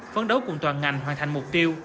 phấn đấu cùng toàn ngành hoàn thành mục tiêu